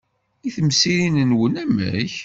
I temsirin-nwen, amek?